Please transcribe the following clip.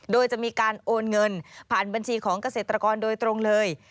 โดยจะมีการโอนเงินผ่านบัญชีของเกษตรกรโดยตรงเลย